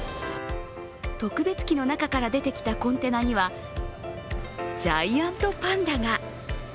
特別機の中から出てきたコンテナには、ジャイアントパンダが。